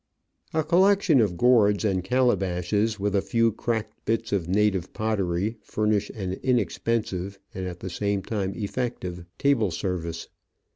A collection of gourds and calabashes, with a few cracked bits of native pottery, furnish an inexpensive, and at the same time effective, table service.